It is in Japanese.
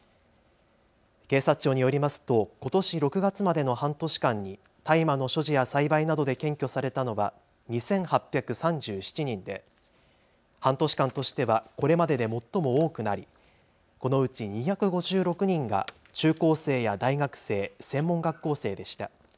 警察庁によりますとことし６月までの半年間に大麻の所持や栽培などで検挙されたのは２８３７人で半年間としてはこれまでで最も多くなりこのうち２５６人が中高生や大学生、専門学校生でした。